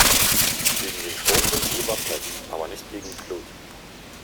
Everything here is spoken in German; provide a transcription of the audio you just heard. Gegen den Sturm sind sie gewappnet, aber nicht gegen die Flut.